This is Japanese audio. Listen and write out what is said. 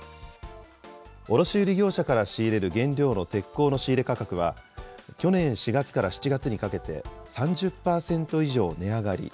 卸売業者から仕入れる原料の鉄鋼の仕入れ価格は、去年４月から７月にかけて、３０％以上値上がり。